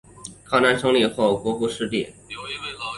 抗战胜利后国府收复失地。